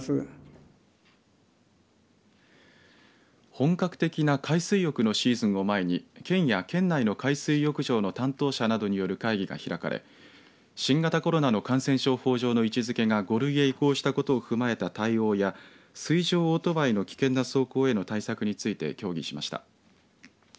本格的な海水浴のシーズンを前に県や県内の海水浴場の担当者などによる会議が開かれ新型コロナの感染症法上の位置づけが５類へ移行したことを踏まえた対応や水上オートバイの危険な走行への対策について協議しました。